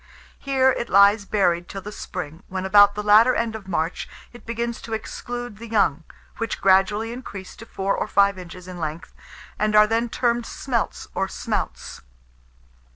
Here it lies buried till the spring, when, about the latter end of March, it begins to exclude the young, which gradually increase to four or five inches in length, and are then termed smelts or smouts.